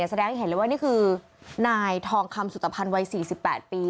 แสดงให้เห็นเลยว่านี่คือนายทองคำสุตภัณฑ์วัย๔๘ปี